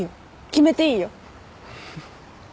決めていいよ。